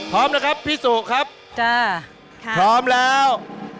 พร้อมนะครับพี่สุครับจ้าพร้อมแล้ว